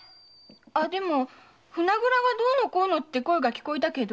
でも船蔵がどうのこうのって声が聞こえたけど。